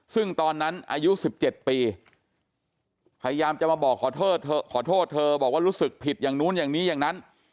ซึ่งตอนนั้นอายุ๑๗ปีพยายามจะมาบอกขอโทษเธอขอโทษเธอบอกว่ารู้สึกผิดอย่างนู้นอย่างนี้อย่างนั้น